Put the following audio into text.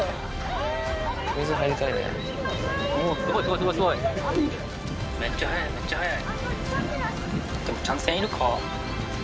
すごいすごいすごいめっちゃ速いめっちゃ速い。